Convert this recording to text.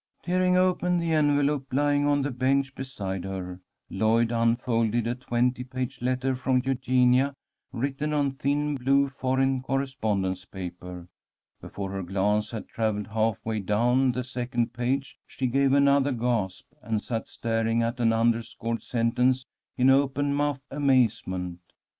Tearing open the envelope lying on the bench beside her, Lloyd unfolded a twenty page letter from Eugenia, written on thin blue foreign correspondence paper. Before her glance had travelled half way down the second page, she gave another gasp, and sat staring at an underscored sentence in open mouthed amazement.